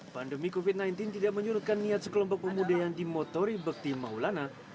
pandemi covid sembilan belas tidak menyurutkan niat sekelompok pemuda yang dimotori bekti maulana